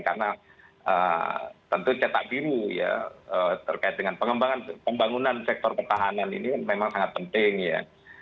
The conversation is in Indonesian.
karena tentu cetak biru ya terkait dengan pengembangan pembangunan sektor pertahanan ini memang sangat penting ya